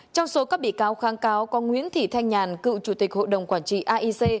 trong số các bị cáo kháng cáo có nguyễn thị thanh nhàn cựu chủ tịch hội đồng quản trị aic